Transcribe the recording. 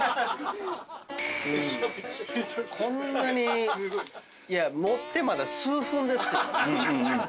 こんなに持ってまだ数分ですよ。